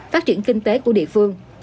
phát triển kinh tế của địa phương